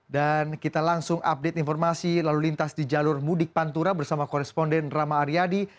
dan kita langsung update informasi lalu lintas di jalur mudik pantura bersama koresponden rama aryadi